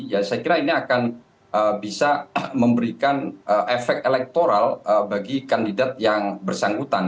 ya saya kira ini akan bisa memberikan efek elektoral bagi kandidat yang bersangkutan